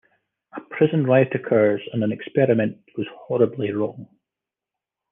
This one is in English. A prison riot occurs and an experiment goes horribly wrong.